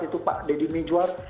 itu pak deddy mijuar